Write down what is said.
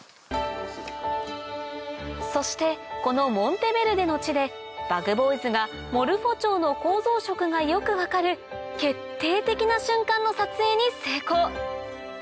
そしてこのモンテベルデの地でＢｕｇＢｏｙｓがモルフォチョウの構造色がよく分かる決定的な瞬間の撮影に成功